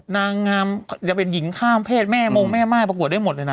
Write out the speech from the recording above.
นาง่ามยังเป็นหญิงข้ามแภทแม่โมแม่ไม้ปรากวดได้หมดเลยนะ